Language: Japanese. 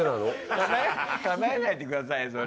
叶えないでくださいよそれ。